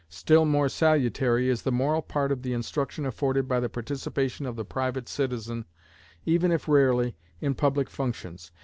Still more salutary is the moral part of the instruction afforded by the participation of the private citizen, if even rarely, in public functions.